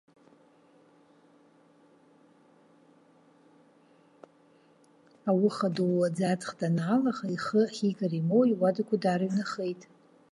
Ауыха, дыууаӡа аҵх данаалаха, ихы ахьигара имоуа иуадақәа даарыҩнахеит.